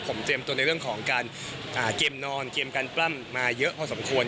ผมเตรียมตัวในเรื่องของการเกมนอนเกมการปล้ำมาเยอะพอสมควร